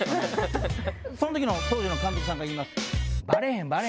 その時の当時の監督さんが言います。